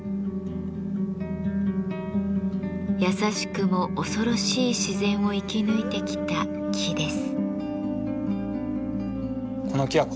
優しくも恐ろしい自然を生き抜いてきた木です。